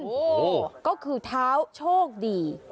โอ้โหก็คือเท้าโชคดี